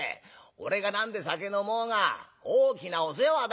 俺が何で酒飲もうが大きなお世話だ。